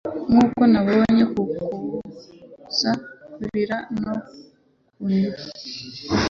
nkuko nabonye kuza kurira no kuniha